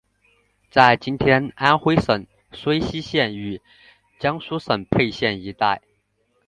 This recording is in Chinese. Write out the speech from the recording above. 在今天安微省睢溪县与江苏省沛县一带。